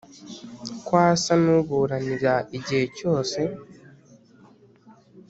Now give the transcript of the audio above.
ko asa n'uburanira igihe cyose?